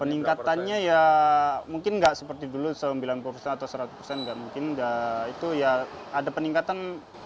peningkatannya ya mungkin nggak seperti dulu sembilan puluh persen atau seratus persen nggak mungkin nggak itu ya ada peningkatan